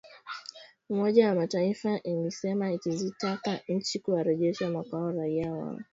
Umoja wa Mataifa ilisema ikizitaka nchi kuwarejesha makwao raia wao.